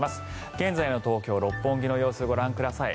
現在の東京・六本木の様子ご覧ください。